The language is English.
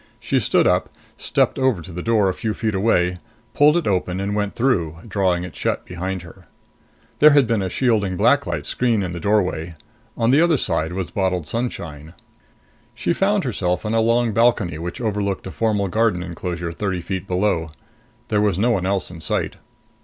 She stood up, stepped over to the door a few feet away, pulled it open and went through, drawing it shut behind her. There had been a shielding black light screen in the doorway. On the other side was bottled sunshine. She found herself on a long balcony which overlooked a formal garden enclosure thirty feet below. There was no one else in sight.